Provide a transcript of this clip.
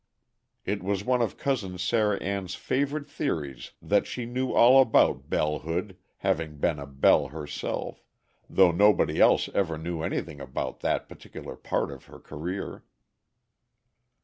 It was one of Cousin Sarah Ann's favorite theories that she knew all about bellehood, having been a belle herself though nobody else ever knew anything about that particular part of her career.